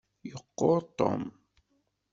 Yeqquṛ Tom.